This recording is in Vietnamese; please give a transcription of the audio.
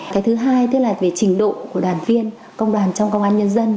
cái thứ hai tức là về trình độ của đoàn viên công đoàn trong công an nhân dân